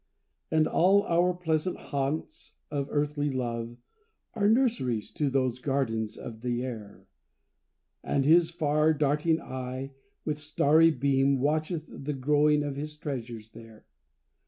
And all our pleasant haunts of earthly love Are nurseries to those gardens of the air; And his far darting eye, with starry beam, Watcheth the growing of his treasures there.